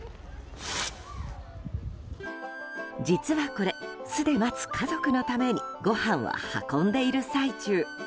実はこれ、巣で待つ家族のためにごはんを運んでいる最中。